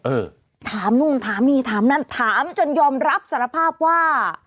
เออถามนู่นถามนี่ถามนั่นถามจนยอมรับสารภาพว่า